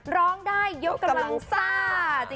ร้องได้ยกกำลังร้างศาสตร์